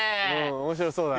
面白そうだね。